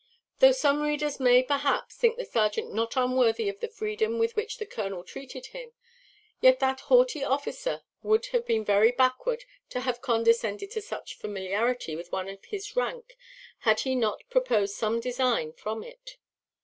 Though some readers may, perhaps, think the serjeant not unworthy of the freedom with which the colonel treated him; yet that haughty officer would have been very backward to have condescended to such familiarity with one of his rank had he not proposed some design from it.